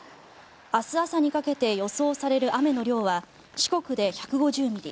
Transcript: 明日朝にかけて予想される雨の量は四国で１５０ミリ